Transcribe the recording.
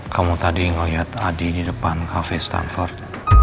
kamu tadi ngeliat adi di depan cafe stanford